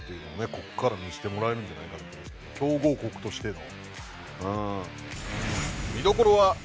ここから見せてもらえるんじゃないかなと思いますけどね、強豪国としての。